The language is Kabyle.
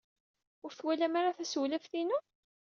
Ur twalam ara tasewlaft-inu?